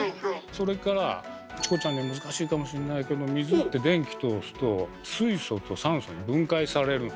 それからチコちゃんには難しいかもしれないけど水って電気通すと水素と酸素に分解されるの。